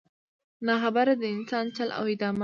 نا خبره د انسان له چل او دامه